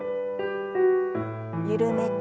緩めて。